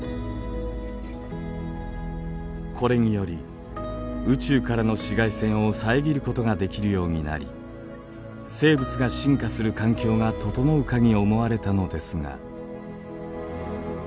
これにより宇宙からの紫外線を遮ることができるようになり生物が進化する環境が整うかに思われたのですが。